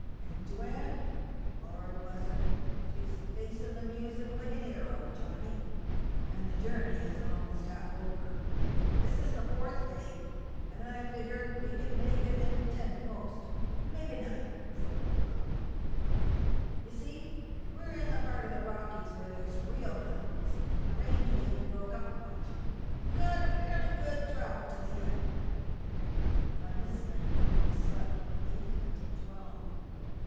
An' Joanne, Lord bless her! she's facing the music like an' 'ero, Johnny!" "And the journey is almost half over." "This is the fourth day. I figger we can make it in ten at most, mebby nine," said old Donald. "You see we're in that part of the Rockies where there's real mount'ins, an' the ranges ain't broke up much. We've got fairly good travel to the end." On this night Aldous slept from eight until twelve.